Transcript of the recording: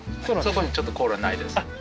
そこにちょっとコールはないです